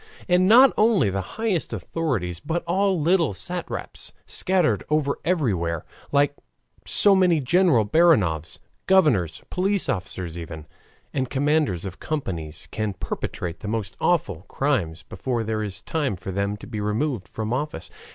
And not only the highest authorities, but all little satraps scattered over everywhere, like so many General Baranovs, governors, police officers even, and commanders of companies, can perpetrate the most awful crimes before there is time for them to be removed from office.